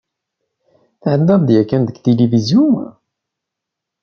Tεeddaḍ-d yakan deg tilivizyu?